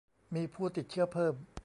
มีผู้ติดเชื้อเพิ่ม